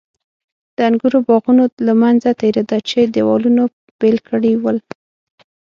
د انګورو د باغونو له منځه تېرېده چې دېوالونو بېل کړي ول.